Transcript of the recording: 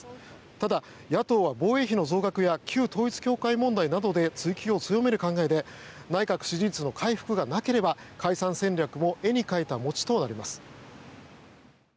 ただ、野党は防衛費の増額や旧統一教会問題などで追及を強める考えで内閣支持率の回復がなければ解散戦略も絵に描いた餅となります。